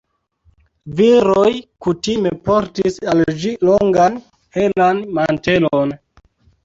Viroj kutime portis al ĝi longan helan mantelon.